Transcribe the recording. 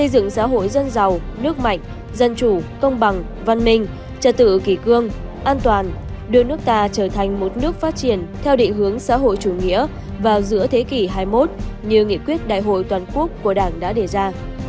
giàu nước mạnh dân chủ công bằng văn minh trật tự kỳ cương an toàn đưa nước ta trở thành một nước phát triển theo định hướng xã hội chủ nghĩa vào giữa thế kỷ hai mươi một như nghị quyết đại hội toàn quốc của đảng đã đề ra